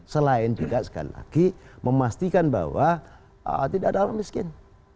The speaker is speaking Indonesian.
selain juga sekali lagi memastikan bahwa tidak ada orang miskin